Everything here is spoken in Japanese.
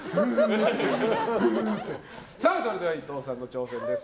それでは、伊藤さんの挑戦です。